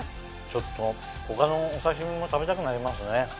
ちょっと他のお刺身も食べたくなりますね。